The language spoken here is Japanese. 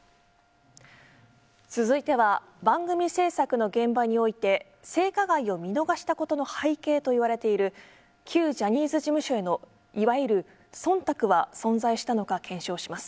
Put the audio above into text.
続いては番組制作の現場において性加害を見逃したことの背景といわれている旧ジャニーズ事務所へのいわゆる忖度は存在したのか検証します。